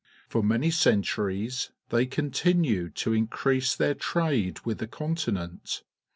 For manj' centuries they • continued to increase their trade with the continent.